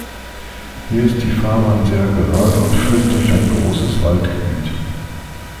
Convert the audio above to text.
Hier ist die Fahrbahn sehr gerade und führt durch ein großes Waldgebiet.